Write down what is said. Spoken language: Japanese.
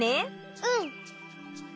うん。